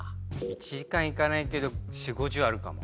１時間いかないけど４０５０あるかも。